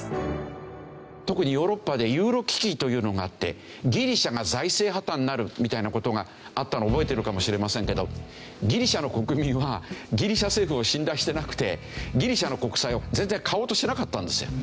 特にヨーロッパでユーロ危機というのがあってギリシャが財政破綻になるみたいな事があったのを覚えてるかもしれませんけどギリシャの国民はギリシャ政府を信頼してなくてギリシャの国債を全然買おうとしなかったんですよ。